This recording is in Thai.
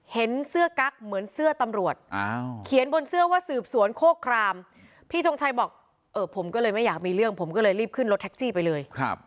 เห็นเสื้อกั๊กเหมือนเสื้อตำรวจเขียนบนเสื้อว่าสืบสวนโคครามพี่ชงชัยบอกเออผมก็เลยไม่อยากมีเรื่องผมก็เลยรีบขึ้นรถแท็กซี่ไปเลย